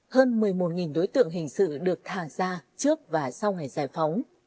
hơn một mươi một đối tượng hình sự được thả ra trước và sau ngày giải phóng